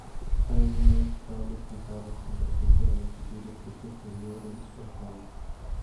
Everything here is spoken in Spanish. Hay algunos "cables cruzados" con respecto a la longitud y aspecto exterior del "Oceanic".